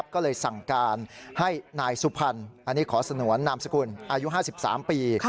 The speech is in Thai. ก็เลยสั่งการให้นายสุพรรณอันนี้ขอสนวนนามสกุลอายุ๕๓ปี